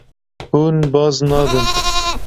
Hûn baz nadin.